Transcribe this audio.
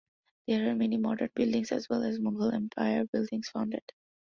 There are many modern buildings as well as Mughal Empire buildings founded.